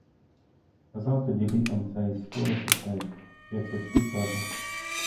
Казав тоді літом це й сторож оцей: якби всі, каже.